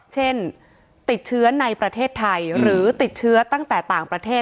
เช่นติดเชื้อในประเทศไทยหรือติดเชื้อตั้งแต่ต่างประเทศ